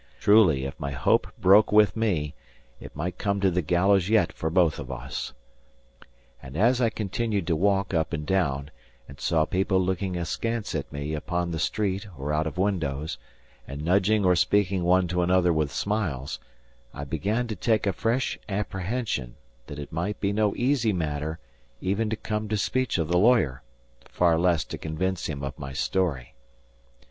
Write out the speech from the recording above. Truly, if my hope broke with me, it might come to the gallows yet for both of us. And as I continued to walk up and down, and saw people looking askance at me upon the street or out of windows, and nudging or speaking one to another with smiles, I began to take a fresh apprehension: that it might be no easy matter even to come to speech of the lawyer, far less to convince him of my story.